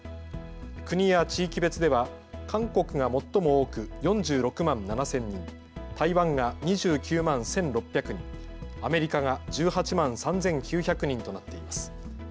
国や地域別では韓国が最も多く４６万７０００人、台湾が２９万１６００人、アメリカが１８万３９００人となっています。